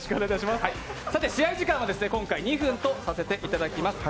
試合時間は今回２分とさせていただきます。